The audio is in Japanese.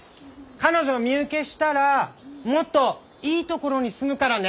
彼女を身請けしたらもっといいところに住むからね！